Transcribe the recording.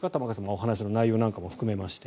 お話の内容なんかも含めまして。